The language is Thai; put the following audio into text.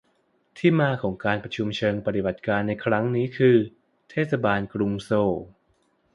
ที่มาของการประชุมเชิงปฏิบัติการในครั้งนี้คือ เทศบาลกรุงโซล